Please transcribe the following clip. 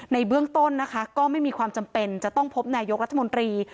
ในเบื้องต้นก็ไม่มีความจำเป็นจะต้องพบนายกรรม